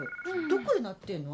どこで鳴ってんの？